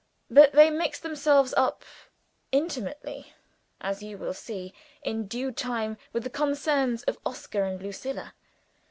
But they mix themselves up intimately, as you will see in due time, with the concerns of Oscar and Lucilla.